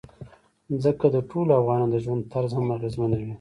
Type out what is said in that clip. ځمکه د ټولو افغانانو د ژوند طرز هم اغېزمنوي.